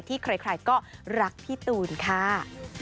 ใครก็รักพี่ตูนค่ะ